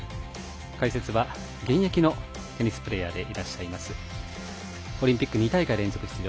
解説は現役のテニスプレーヤーでいらっしゃいますオリンピック２大会連続出場